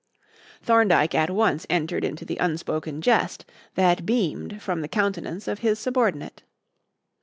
Thorndyke at once entered into the unspoken jest that beamed from the countenance of his subordinate.